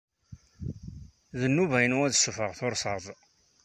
D nnuba-inu ad ssuffɣeɣ tursaḍ.